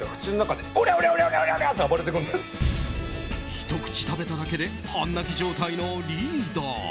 ひと口食べただけで半泣き状態のリーダー。